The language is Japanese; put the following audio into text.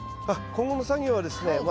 あっ今後の作業はですね